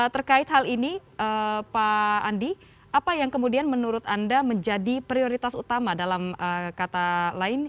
terkait hal ini pak andi apa yang kemudian menurut anda menjadi prioritas utama dalam kata lain